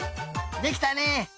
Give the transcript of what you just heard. できたね！